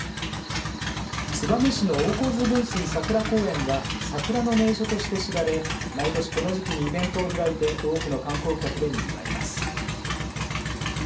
燕市の大河津分水さくら公園は桜の名所として知られ毎年この時期にイベントを開いて多くの観光客でにぎわいます。